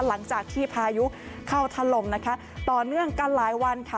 หลังจากที่พายุเข้าถล่มนะคะต่อเนื่องกันหลายวันค่ะ